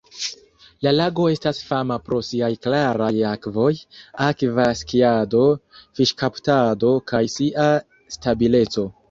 La lago estas fama pro siaj klaraj akvoj, akva skiado, fiŝkaptado, kaj sia stabileco.